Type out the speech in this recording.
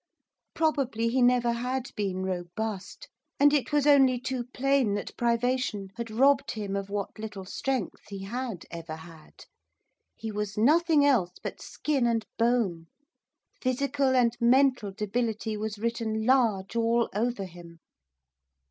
Probably he never had been robust, and it was only too plain that privation had robbed him of what little strength he had ever had. He was nothing else but skin and bone. Physical and mental debility was written large all over him.